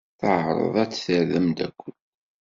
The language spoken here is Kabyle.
Teɛreḍ ad t-terr d ameddakel.